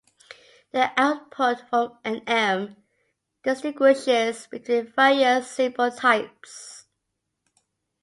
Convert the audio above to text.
The output from nm distinguishes between various symbol types.